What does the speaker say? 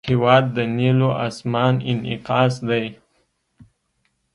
هېواد د نیلو آسمان انعکاس دی.